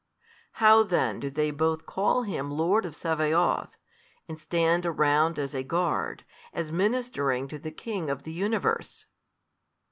How then do they both call Him Lord of Sabaoth, and stand around as a guard, as ministering to the King of the universe?